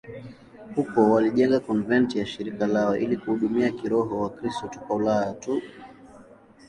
Huko walijenga konventi ya shirika lao ili kuhudumia kiroho Wakristo toka Ulaya tu.